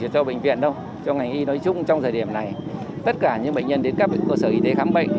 trong ngày y nói chung trong thời điểm này tất cả những bệnh nhân đến các cơ sở y tế khám bệnh